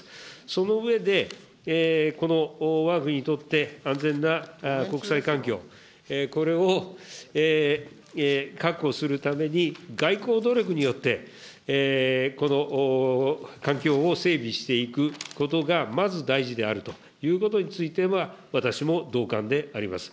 その上で、このわが国にとって、安全な国際環境、これを確保するために、外交努力によって、この環境を整備していくことがまず大事であるということについては、私も同感であります。